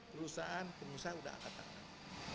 perusahaan pengusaha sudah akat akat